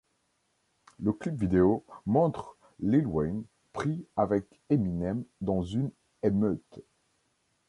Le clip vidéo montre Lil Wayne prit avec Eminem dans une émeute.